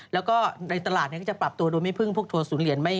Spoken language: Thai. แล้วก็ในตลาดก็จะปรับตัวโดยไม่พึ่งพวกทัวร์ศูนยน